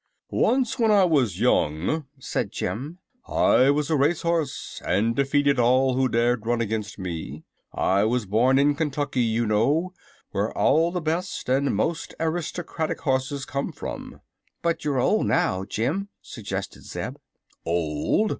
"Once, when I was young," said Jim, "I was a race horse, and defeated all who dared run against me. I was born in Kentucky, you know, where all the best and most aristocratic horses come from." "But you're old, now, Jim," suggested Zeb. "Old!